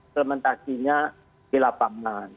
sementara kita melihat yang lainnya ya